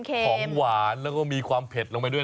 ของหวานแล้วก็มีความเผ็ดลงไปด้วย